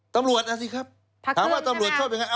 ตำรวจอ่ะสิครับถามว่าตำรวจชอบยังไง